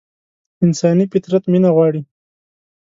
انساني فطرت مينه غواړي.